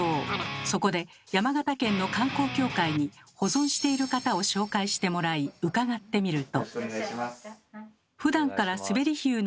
そこで山形県の観光協会に保存している方を紹介してもらい伺ってみると。